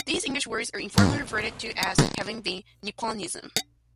These English words are informally referred to as having been "Nipponized".